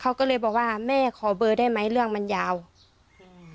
เขาก็เลยบอกว่าแม่ขอเบอร์ได้ไหมเรื่องมันยาวอืม